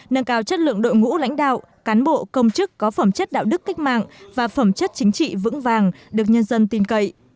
nâng cao chất lượng đội ngũ lãnh đạo cán bộ công chức có phẩm chất đạo đức cách mạng và phẩm chất chính trị vững vàng được nhân dân tin cậy